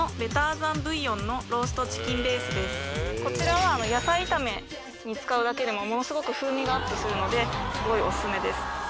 こちらのこちらは野菜炒めに使うだけでもものすごく風味がアップするのですごいオススメです。